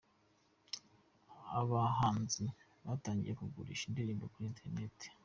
Abahanzi batangiye kugurisha indirimbo kuri ‘interinete’